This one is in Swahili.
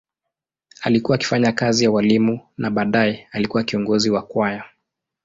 Alikuwa akifanya kazi ya ualimu na baadaye alikuwa kiongozi wa kwaya.